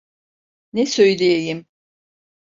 Ne söyleyeyim?